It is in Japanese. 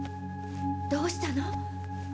どうしたの？